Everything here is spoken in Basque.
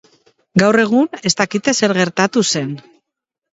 Gaur egun ez dakite zer gertatu zen.